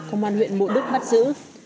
công an huyện mộ đức bắt giữ